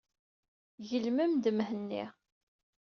Gelmem-d Mhenni.